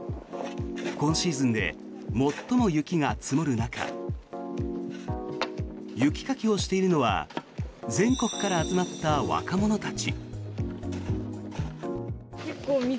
今シーズンで最も雪が積もる中雪かきをしているのは全国から集まった若者たち。